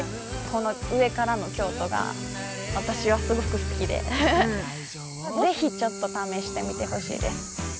この上からの京都が私はすごく好きでぜひちょっと試してみてほしいです。